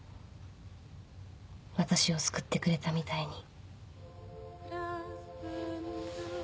私を救ってくれたみたいに